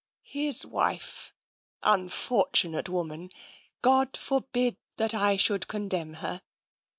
" His wife, unfortunate woman — God forbid that I should condemn her!